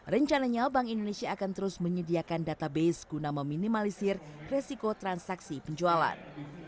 rencananya bank indonesia akan terus menyediakan database guna meminimalisir resiko transaksi penjualan